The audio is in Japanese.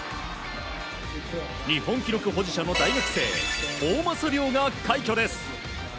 日本記録保持者の大学生大政涼が快挙です。